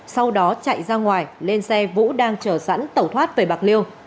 sau đó chạy ra ngoài lên xe vũ đang chờ sẵn tẩu thoát về bạc liêu